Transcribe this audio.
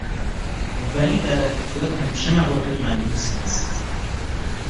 ولی در ادبیات همیشه موارد ملموس نیست